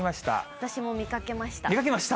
私も見かけました。